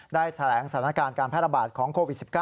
ได้แถลงสถานการณ์การแพร่ระบาดของโควิด๑๙